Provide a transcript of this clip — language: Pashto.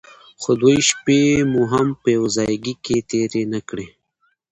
خو دوې شپې مو هم په يوه ځايگي کښې تېرې نه کړې.